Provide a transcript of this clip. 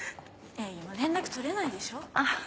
今連絡取れないでしょ。